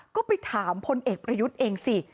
ก็ไปถามพลเอกประยุทธ์เองสิ